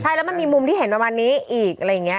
ใช่แล้วมันมีมุมที่เห็นประมาณนี้อีกอะไรอย่างนี้